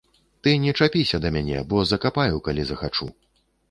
Ты не чапіся да мяне, бо закапаю, калі захачу.